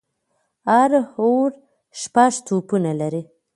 هر اوور شپږ توپونه لري.